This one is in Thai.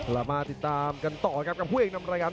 เรามาติดตามกันต่อครับกับผู้เอกนำรายการ